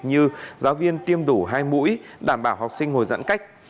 như giáo viên tiêm đủ hai mũi đảm bảo học sinh ngồi giãn cách